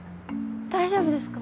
大丈夫ですか？